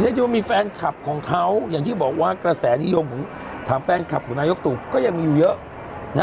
เรียกได้ว่ามีแฟนคลับของเขาอย่างที่บอกว่ากระแสนิยมถามแฟนคลับของนายกตู่ก็ยังมีอยู่เยอะนะฮะ